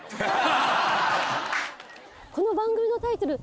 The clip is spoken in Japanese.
この番組のタイトル